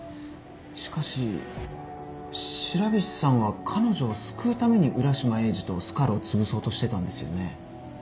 しかし白菱さんは彼女を救うために浦島エイジとスカルをつぶそうとしてたんですよね？